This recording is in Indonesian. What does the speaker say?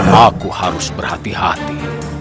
kamu harus berhati hati